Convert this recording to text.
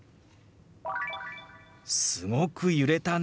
「すごく揺れたね」。